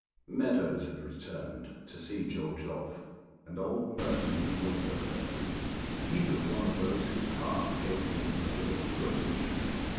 Meadows had returned to see George off, and old Merton was also there, and he was one of those whose hearts gave them a bit of a twinge.